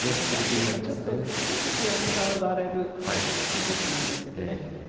ですからちょっと気を遣われるティーショットなんですけれどもね。